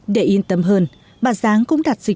để yên tâm hơn bà giáng cũng đặt tên là tổ tiên